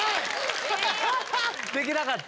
できなかった？